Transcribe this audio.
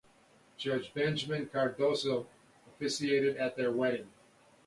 Judge Benjamin Cardozo officiated at their wedding.